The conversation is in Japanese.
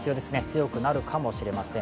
強くなるかもしれません。